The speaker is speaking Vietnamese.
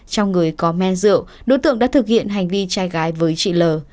trong người có men rượu đối tượng đã thực hiện hành vi trai gái với chị l